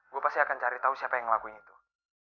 gue pasti akan cari tahu siapa yang ngelakuin itu